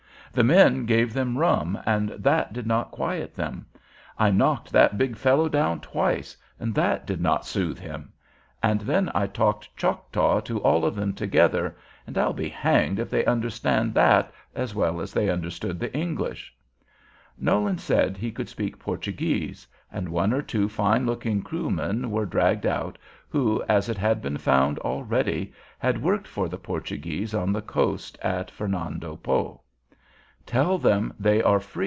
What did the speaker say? The men gave them rum, and that did not quiet them. I knocked that big fellow down twice, and that did not soothe him. And then I talked Choctaw to all of them together; and I'll be hanged if they understood that as well as they understood the English." Nolan said he could speak Portuguese, and one or two fine looking Kroomen were dragged out, who, as it had been found already, had worked for the Portuguese on the coast at Fernando Po.